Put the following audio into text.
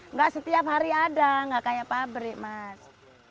nggak setiap hari ada nggak kayak pabrik mas